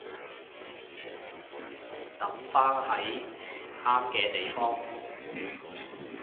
抌返喺啱嘅地方